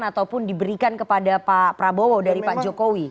ataupun diberikan kepada pak prabowo dari pak jokowi